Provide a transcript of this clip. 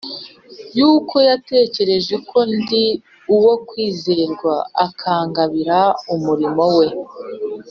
yuko yatekereje ko ndi uwo kwizerwa, akangabira umurimo we